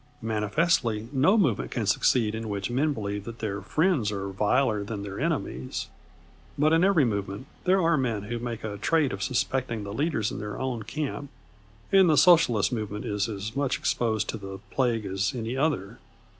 Manifestly, no movement can succeed in which men believe that their friends are viler than their enemies. But in every movement, there are men who make a trade of suspecting the leaders in their own camp, and the Socialist movement is as much exposed to the plague as any other.